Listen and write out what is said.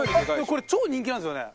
これ超人気なんですよね。